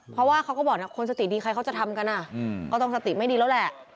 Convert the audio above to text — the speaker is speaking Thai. เพราะว่าเขาก็บอกนะคนสติดีใครเขาจะทำกันก็ต้องสติไม่ดีแล้วแหละ